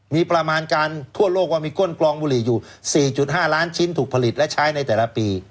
มีประมาณการทั่วโลกว่ามีก้นกรองบุหรี่อยู่๔๕ล้านชิ้นถูกผลิตและใช้ในแต่ละปี